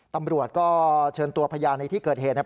ตำรวจก็เชิญตัวพยานในที่เกิดเหตุนะครับ